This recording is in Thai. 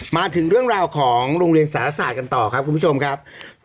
มาถึงเรื่องราวของโรงเรียนสารศาสตร์กันต่อครับคุณผู้ชมครับ